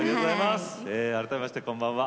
改めまして、こんばんは。